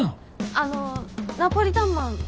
あのナポリタンマン。